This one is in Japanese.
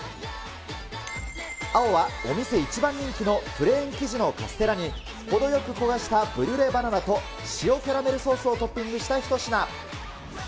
青は、お店１番人気のプレーン生地のカステラに、程よく焦がしたブリュレバナナと塩キャラメルソースをトッピングした一品。